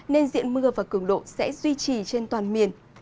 nên diện mưa và cường độ sẽ duy trì trên toàn miền